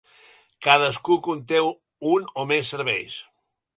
Cadascun conté un o més serveis.